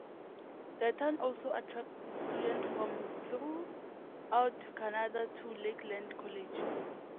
The town also attracts students from throughout Canada to Lakeland College.